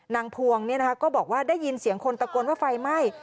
พวงก็บอกว่าได้ยินเสียงคนตะโกนว่าไฟไหม้